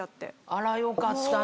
あらよかったね。